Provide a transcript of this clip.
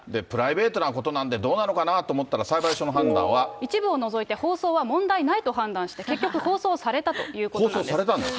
プライベートなことなんでどうなのかなと思ったら、一部を除いて放送は問題ないと判断して、結局、放送されたということなんです。